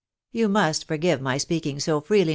You must forgive my speaking so freely.